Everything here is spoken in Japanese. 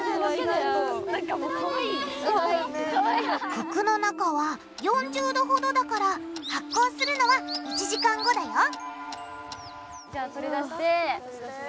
服の中は４０℃ほどだから発酵するのは１時間後だよじゃあ取り出して。